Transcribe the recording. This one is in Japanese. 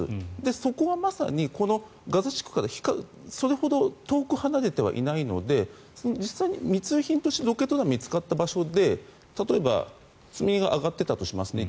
そこはまさにガザ地区からそれほど遠く離れてはいないので実際に密輸品としてロケット弾が見つかった場所で例えば、積み荷が上がっていたとします。